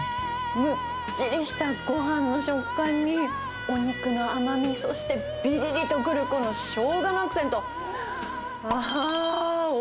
むっちりしたごはんの食感に、お肉の甘み、そしてびりりとくる、このショウガのアクセント。